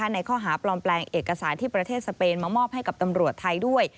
ในข้อหาปลอมแปลงเอกสารที่ประเทศสเปนมามอบให้กับตำรวจไทยด้วย